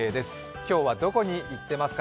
今日はどこに行ってますか？